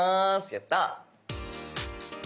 やったあ！